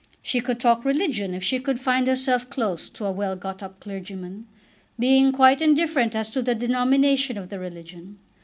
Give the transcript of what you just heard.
She could talk religion if she could find herself close to a well got up clergyman, being quite indifferent as to the denomination of the religion.